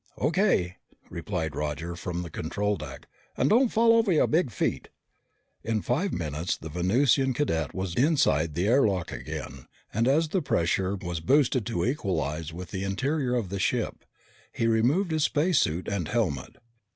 "O.K.," replied Roger from the control deck. "And don't fall all over your big feet." In five minutes the Venusian cadet was inside the air lock again, and as the pressure was boosted to equalize with the interior of the ship, he removed his space suit and helmet.